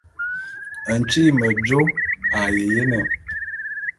Ntyi'i mejô a ye jene.